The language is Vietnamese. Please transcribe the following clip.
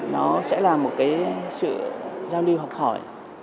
nó sẽ là một sự giao lưu học hỏi